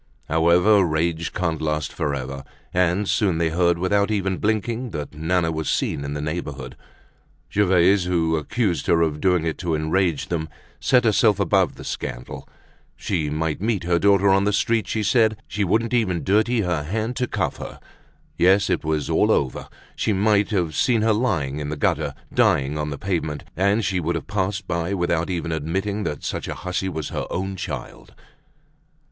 However, rage can't last forever, and soon they heard without even blinking that Nana was seen in the neighborhood. Gervaise, who accused her of doing it to enrage them, set herself above the scandal; she might meet her daughter on the street, she said; she wouldn't even dirty her hand to cuff her; yes, it was all over; she might have seen her lying in the gutter, dying on the pavement, and she would have passed by without even admitting that such a hussy was her own child.